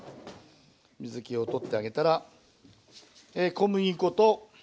水けを取ってあげたら小麦粉と卵ですね。